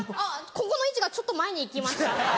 ここの位置がちょっと前に行きました。